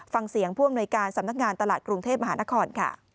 ฟังเสียงผู้อำนวยการสำนักงานตลาดกรุงเทพมหานครค่ะ